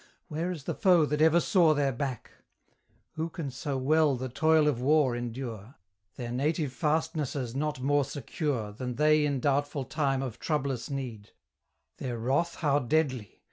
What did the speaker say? Where is the foe that ever saw their back? Who can so well the toil of war endure? Their native fastnesses not more secure Than they in doubtful time of troublous need: Their wrath how deadly!